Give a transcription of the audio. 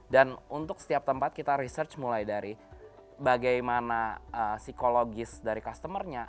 dan untuk setiap tempat kita research mulai dari bagaimana psikologis dari customer nya